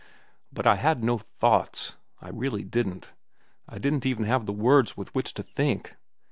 But I had no thoughts. I really didn't. I didn't even have the words with which to think.